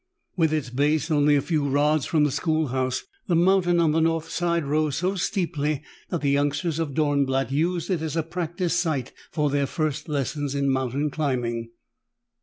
With its base only a few rods from the schoolhouse, the mountain on the north side rose so steeply that the youngsters of Dornblatt used it as a practice site for their first lessons in mountain climbing.